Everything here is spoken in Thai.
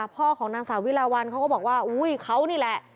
พ่อของนางสาววิลาวันเขาก็บอกว่าอุ้ยเขานี่แหละ